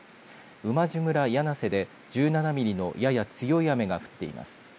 馬路村梁瀬で１７ミリのやや強い雨が降っています。